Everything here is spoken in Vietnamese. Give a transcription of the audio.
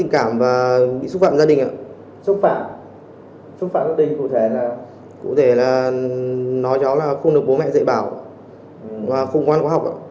cũng thể là nói cháu là không được bố mẹ dạy bảo không có ăn có học